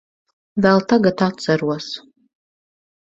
Vēl tagad atceros.